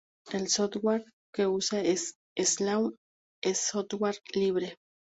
El software que usa es Slash y es software libre.